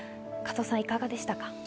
加藤さん、いかがでしたか？